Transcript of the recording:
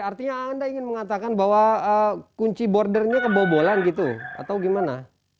artinya anda ingin mengatakan bahwa kunci bordernya kebobolan gitu atau gimana